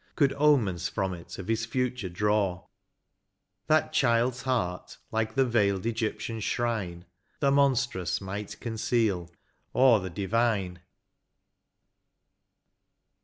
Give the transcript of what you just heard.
Could omens from it of his future draw ? That child's heart, like the veiled Egyptian shrine. The monstrous might conceal^ or the divine.